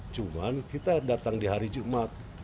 cuman kita datang di hari jumat